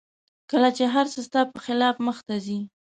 کله چې هر څه ستا په خلاف مخته ځي